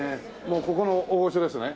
ここの大御所ですね？